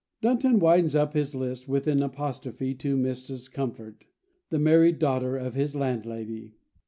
Dunton winds up his list with an apostrophe to Mrs. Comfort, the married daughter of his landlady.